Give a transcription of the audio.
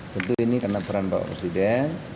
tentu ini karena peran bapak presiden